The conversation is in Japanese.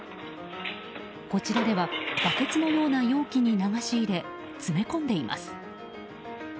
こちらではバケツのような容器に流し入れ詰め込んでいます。